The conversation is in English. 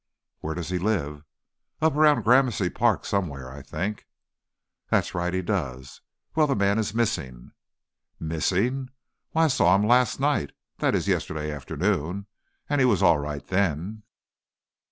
"Where does he live?" "Up around Gramercy Park somewhere, I think." "That's right, he does. Well, the man is missing." "Missing! Why, I saw him last night, that is, yesterday afternoon, and he was all right then."